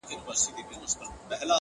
o ستا سترگو كي بيا مرۍ؛ مرۍ اوښـكي؛